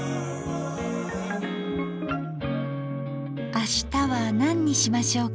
明日は何にしましょうか。